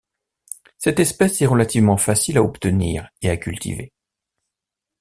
Cette espèce est relativement facile à obtenir et à cultiver.